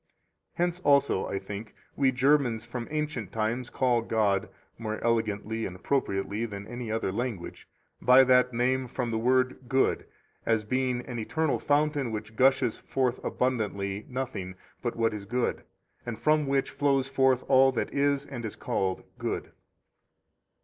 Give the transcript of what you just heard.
Hence also, I think, we Germans from ancient times call God (more elegantly and appropriately than any other language) by that name from the word Good, as being an eternal fountain which gushes forth abundantly nothing but what is good, and from which flows forth all that is and is called good.